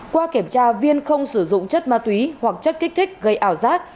qua kiểm tra viên không sử dụng chất ma túy hoặc chất kích thích gây ảo giác